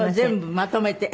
まとめて？